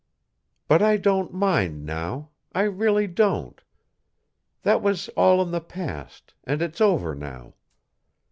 "But I don't mind now I really don't. That was all in the past, and it's over now.